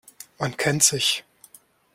Man kennt sich.